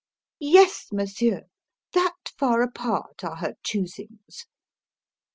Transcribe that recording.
Yes, Monsieur, that far apart are her choosings!"